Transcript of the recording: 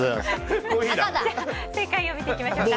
正解を見ていきましょうか。